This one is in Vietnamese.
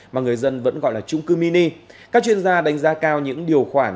mà người dân vẫn gọi là trung cư mini các chuyên gia đánh giá cao những điều khoản